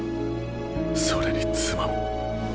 それに妻も。